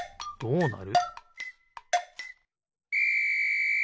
どうなる？